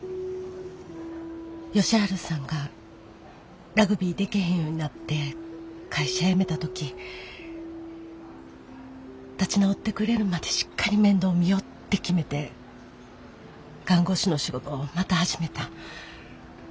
佳晴さんがラグビーでけへんようになって会社辞めた時立ち直ってくれるまでしっかり面倒見よって決めて看護師の仕事また始めた。